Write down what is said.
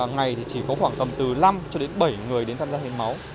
ngày thì chỉ có khoảng tầm từ năm cho đến bảy người đến tham gia hiến máu